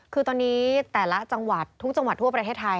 คือตอนนี้แต่ละจังหวัดทุกจังหวัดทั่วประเทศไทย